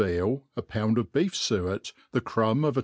veal, a pound of beef fuet, the crumb of a.